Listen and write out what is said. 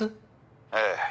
ええ。